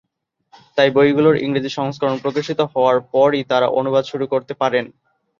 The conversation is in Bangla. তাই, বইগুলোর ইংরেজি সংস্করণ প্রকাশিত হওয়ার পরই তারা অনুবাদ শুরু করতে পারেন।